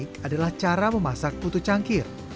yang unik adalah cara memasak putu cangkir